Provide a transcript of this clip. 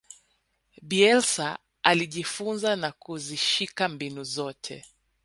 bielsa alijifunza na kuzishika mbinu zote